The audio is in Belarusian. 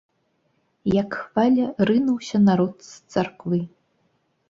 Як хваля, рынуўся народ з царквы.